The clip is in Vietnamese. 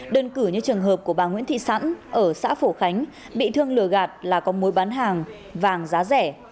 đơn cử như trường hợp của bà nguyễn thị sẵn ở xã phổ khánh bị thương lừa gạt là có mối bán hàng vàng giá rẻ